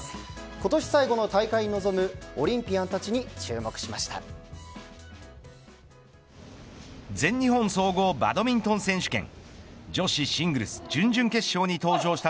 今年最後の大会に臨むオリンピアンたちに注目しました。